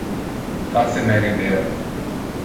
Face me rider.